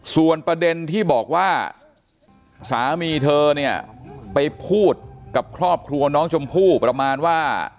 ส่วนประเด็นที่บอกว่าสามีเธอเนี่ยไปพูดกับครอบครัวน้องชมพู่ประมาณว่า